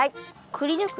くりぬく？